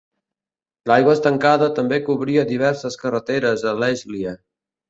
L'aigua estancada també cobria diverses carreteres a Leslie.